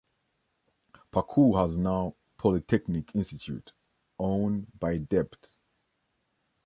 Pakur has now Polytechnic Institute -Owned by Deptt.